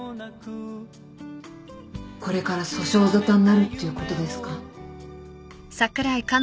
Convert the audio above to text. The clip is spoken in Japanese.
これから訴訟沙汰になるっていうことですか？